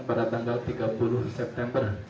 pada tanggal tiga puluh september